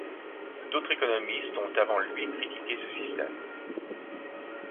D’autres économistes ont avant lui critiqué ce système.